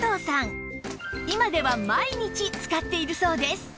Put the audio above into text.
今では毎日使っているそうです